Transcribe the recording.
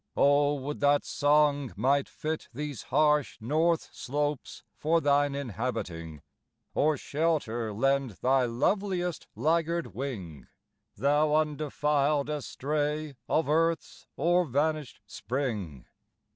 O would that song might fit These harsh north slopes for thine inhabiting, Or shelter lend thy loveliest laggard wing, Thou undefiled estray of earth's o'ervanished spring!